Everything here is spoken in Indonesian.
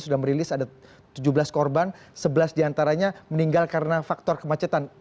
sudah merilis ada tujuh belas korban sebelas diantaranya meninggal karena faktor kemacetan